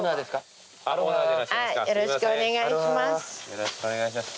よろしくお願いします。